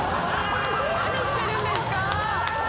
何してるんですかー